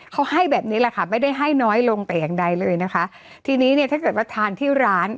เขาให้แบบนี้แหละค่ะไม่ได้ให้น้อยลงแต่อย่างใดเลยนะคะทีนี้เนี่ยถ้าเกิดว่าทานที่ร้าน